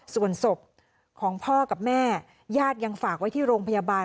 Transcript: ส่วนศพของพ่อกับแม่ญาติยังฝากไว้ที่โรงพยาบาล